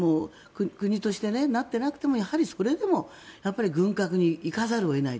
国としてなっていなくてもそれでも軍拡に行かざるを得ない。